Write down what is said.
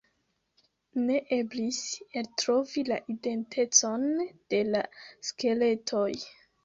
Ne eblis eltrovi la identecon de la skeletoj.